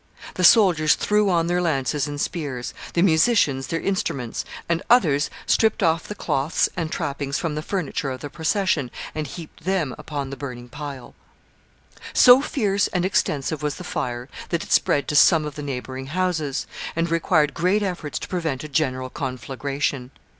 The soldiers threw on their lances and spears, the musicians their instruments, and others stripped off the cloths and trappings from the furniture of the procession, and heaped them upon the burning pile. [Sidenote: The conflagration.] So fierce and extensive was the fire, that it spread to some of the neighboring houses, and required great efforts to prevent a general conflagration.